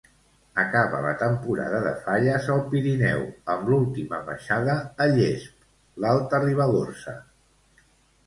Acaba la temporada de falles al Pirineu, amb l'última baixada a Llesp, l'Alta Ribagorça.